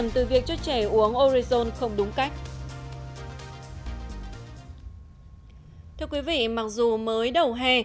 thưa quý vị mặc dù mới đầu hè